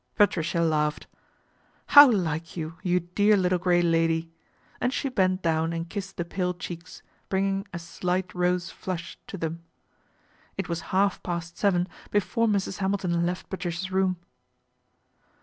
Patricia laughed. " How like you, you dear little grey lady," and she bent down and kissed the pale cheeks, bringing a slight rose flush to them It was half past seven before Mrs. Hamilton left Patricia's room.